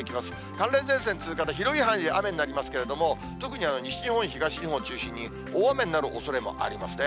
寒冷前線通過で広い範囲で雨になりますけれども、特に西日本、東日本中心に、大雨になるおそれもありますね。